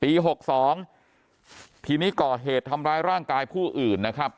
หกสองทีนี้ก่อเหตุทำร้ายร่างกายผู้อื่นนะครับ